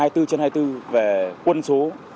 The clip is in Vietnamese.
hai mươi bốn trên hai mươi bốn về quân số